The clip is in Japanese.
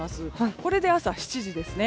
これで朝７時ですね。